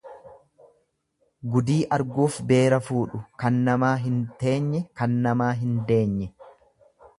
Gudii arguuf beera fuudhu kan namaa hin teenye kan namaa hin deenye.